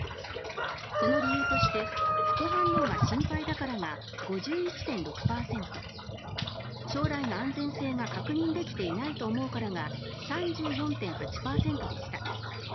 その理由として副反応が心配だからが５１．６％将来の安全性が確認できていないと思うからが３４．８％でした。